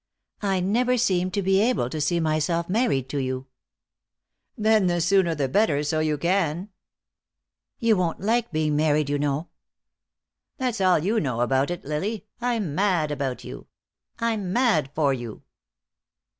"I never seem to be able to see myself married to you." "Then the sooner the better, so you can." "You won't like being married, you know." "That's all you know about it, Lily. I'm mad about you. I'm mad for you."